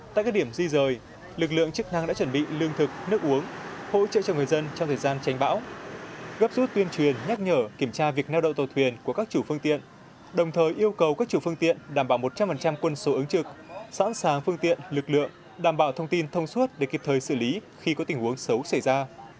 tại các điểm di rời lực lượng chức năng đã chuẩn bị lương thực nước uống hỗ trợ cho người dân trong thời gian tranh bão gấp rút tuyên truyền nhắc nhở kiểm tra việc neo đậu tàu thuyền của các chủ phương tiện đồng thời yêu cầu các chủ phương tiện đảm bảo một trăm linh quân số ứng trực sẵn sàng phương tiện lực lượng đảm bảo thông tin thông suốt để kịp thời xử lý khi có tình huống xấu xảy ra